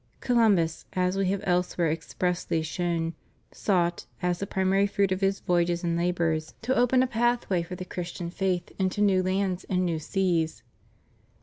Columbus, as We have elsewhere expressly shown, sought, as the primary fruit of his voyages and labors, to open a path 320 CATHOLICITY IN THE UNITED STATES. 321 way for the Christian faith into new lands and new seas.